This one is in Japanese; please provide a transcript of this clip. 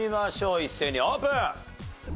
一斉にオープン！